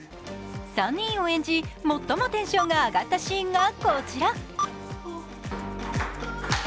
３人を演じ、最もテンションが上がったシーンがこちら。